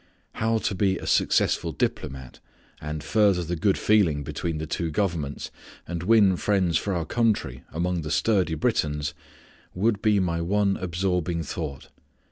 How to be a successful diplomat and further the good feeling between the two governments, and win friends for our country among the sturdy Britons would be my one absorbing thought.